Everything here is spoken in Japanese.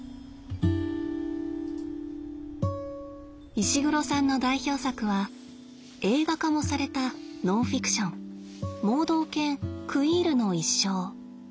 石黒さんの代表作は映画化もされたノンフィクション「盲導犬クイールの一生」。